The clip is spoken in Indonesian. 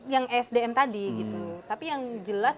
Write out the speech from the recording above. yang esdm tadi gitu tapi yang jelas